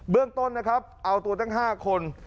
เรื่องต้นนะครับเอาตัวตั้ง๕คน